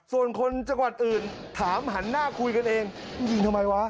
ส่วนคนจังหวัดอื่นถามหันหน้าคุยกันเองยิงทำไมวะ